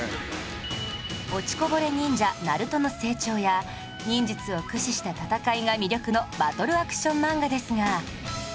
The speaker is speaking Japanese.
落ちこぼれ忍者ナルトの成長や忍術を駆使した戦いが魅力のバトルアクション漫画ですが